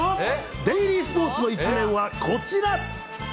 デイリースポーツの１面はこちら。